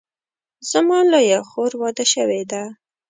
زما لویه خور واده شوې ده